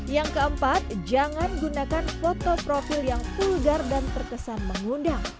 yang keempat jangan gunakan foto foto